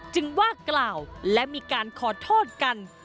ว่ากล่าวและมีการขอโทษกัน